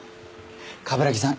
冠城さん